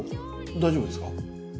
大丈夫ですか？